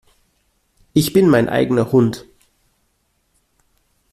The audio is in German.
Ich bin mein eigener Hund.